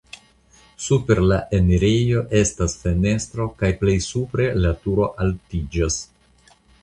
Super la enirejo estas fenestro kaj plej supre la turo altiĝas.